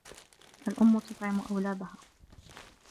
الْأُمُّ تُطْعِمُ أَوْلاَدَهَا.